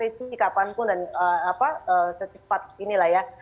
dari resmi kapanpun dan apa secepat inilah ya